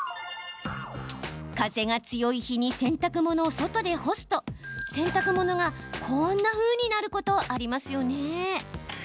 風が強い日に洗濯物を外で干すと洗濯物が、こんなふうになることありますよね。